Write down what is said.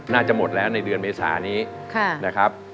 น่าจะหมดแล้วในเดือนเมษานี้นะครับ